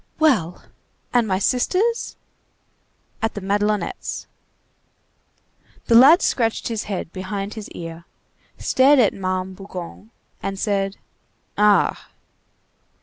"Well! And my sisters?" "At the Madelonettes." The lad scratched his head behind his ear, stared at Ma'am Bougon, and said:— "Ah!"